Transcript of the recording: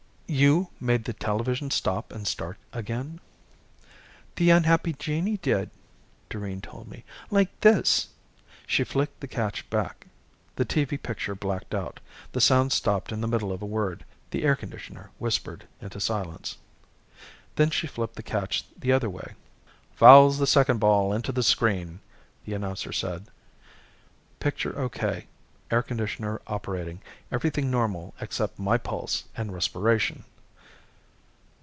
"You made the television stop and start again?" "The unhappy genii did," Doreen told me. "Like this." She flicked the catch back. The TV picture blacked out. The sound stopped in the middle of a word. The air conditioner whispered into silence. Then she flipped the catch the other way. " fouls the second ball into the screen," the announcer said. Picture okay. Air conditioner operating. Everything normal except my pulse and respiration.